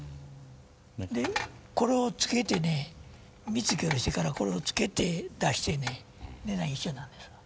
でこれを付けてねみつきほどしてからこれを付けて出してね値段一緒なんですわ。